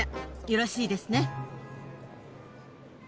よろしいですね。